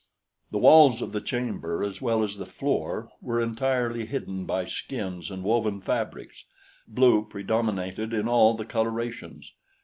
The walls of the chamber as well as the floor were entirely hidden by skins and woven fabrics. Blue predominated in all the colorations.